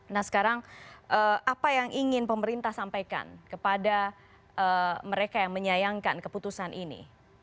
nah sekarang apa yang ingin pemerintah sampaikan kepada mereka yang menyayangkan keputusan ini